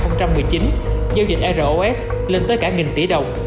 giao dịch eros lên tới cả một tỷ đồng